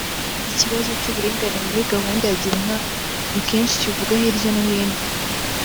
Ikibazo cy’uburiganya muri gahunda ya Girinka ni kenshi kivuga hirya no hino